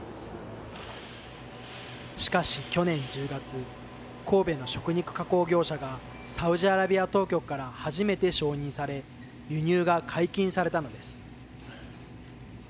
しかし去年１０月神戸の食肉加工業者がサウジアラビア当局から初めて承認され輸入が解禁されたのです。